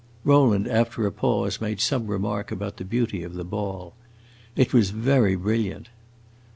Rowland, after a pause, made some remark about the beauty of the ball. It was very brilliant.